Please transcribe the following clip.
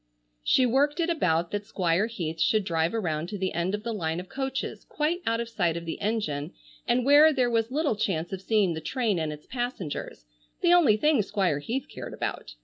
She worked it about that Squire Heath should drive around to the end of the line of coaches, quite out of sight of the engine and where there was little chance of seeing the train and its passengers,—the only thing Squire Heath cared about.